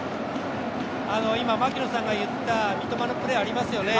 今、槙野さんが言った三笘のプレーありますよね。